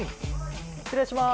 失礼します。